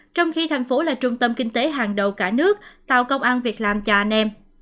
trong khi thành phố là trung tâm kinh tế hàng đầu cả nước tạo công an việc làm cho anh em